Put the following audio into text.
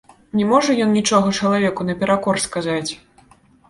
Не можа ён нічога чалавеку наперакор сказаць.